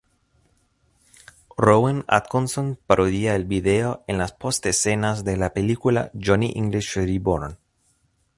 Rowan Atkinson parodia el video en las post-escenas de la película "Johnny English Reborn".